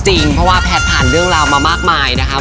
ใช่เพราะว่าแพทย์ผ่านเรามามากมายนะครับ